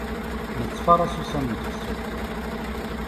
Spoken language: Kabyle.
Nettfaṛas ussan n tefsut